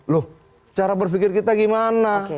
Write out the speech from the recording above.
loh cara berpikir kita gimana